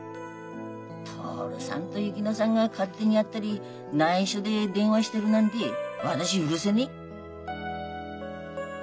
徹さんと薫乃さんが勝手に会ったりないしょで電話してるなんて私許せねえ。